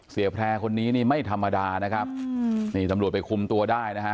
แพร่คนนี้นี่ไม่ธรรมดานะครับนี่ตำรวจไปคุมตัวได้นะฮะ